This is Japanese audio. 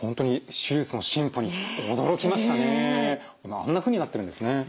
あんなふうになっているんですね。